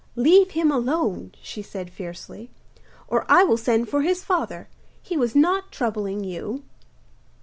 'Leave him alone,' she said fiercely, 'or I will send for his father. He was not troubling you.